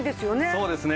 そうですね。